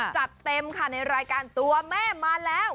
จัดเต็มค่ะในรายการตัวแม่มาแล้ว